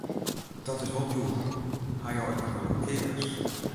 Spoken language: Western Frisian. Dit is wol djoer, ha jo ek noch wat goedkeapers?